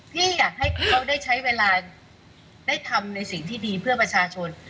พี่อยากให้เขาได้ใช้เวลาได้ทำในสิ่งที่ดีเพื่อประชาชน